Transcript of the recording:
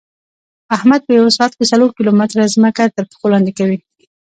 احمد په یوه ساعت کې څلور کیلو متېره ځمکه ترپښو لاندې کوي.